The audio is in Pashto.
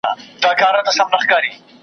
خورهار يې رسېدى تر گاونډيانو .